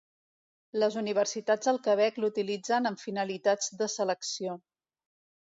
Les universitats del Quebec l'utilitzen amb finalitats de selecció.